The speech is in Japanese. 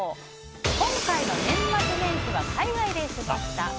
今回の年末年始は海外で過ごした？